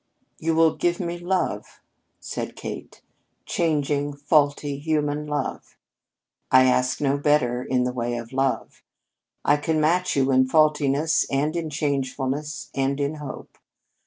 "You will give me love," said Kate, "changing, faulty, human love! I ask no better in the way of love. I can match you in faultiness and in changefulness and in hope.